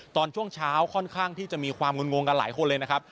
ตอนช่วงเช้าค่อนข้างที่จะมีความงุ่นงงกันหลายคนเลยนะครับ